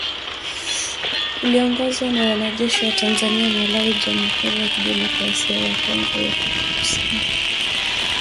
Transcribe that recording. Iliongozwa na wanajeshi wa Tanzania, Malawi, Jamuhuri ya Kidemokrasia ya Kongo na Afrika kusini